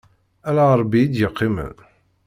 Ala Ṛebbi i d-yeqqimen.